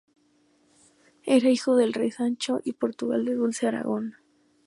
Era hijo del rey Sancho I de Portugal y de Dulce de Aragón.